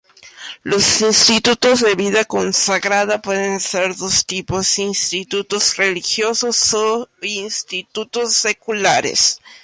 Los Institutos de Vida consagrada pueden ser dos tipos: Institutos religiosos o Institutos seculares.